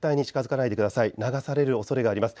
流されるおそれがあります。